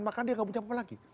maka dia gak punya apa apa lagi